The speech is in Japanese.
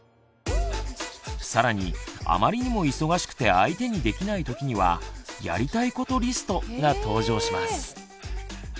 更にあまりにも忙しくて相手にできないときには「やりたいことリスト」が登場します。